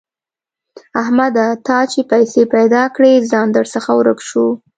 احمده! تا چې پيسې پیدا کړې؛ ځان درڅخه ورک شو.